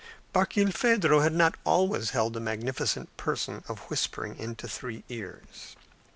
Barkilphedro had not always held the magnificent position of whispering into three ears.